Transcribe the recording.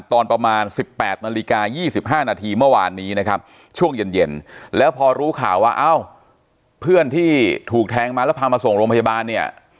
ตอนประมาณ๑๘นาฬิกา๒๕นาทีเมื่อวานนี้นะครับช่วงเย็น